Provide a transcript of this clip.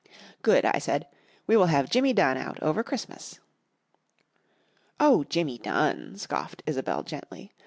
"Good!" I said. "We will have Jimmy Dunn out over Christmas." "Oh! Jimmy Dunn!" scoffed Isobel gently.